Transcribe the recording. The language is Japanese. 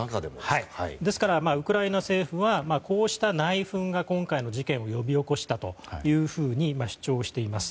ですから、ウクライナ政府はこうした内紛が今回の事件を呼び起こしたというふうに主張しています。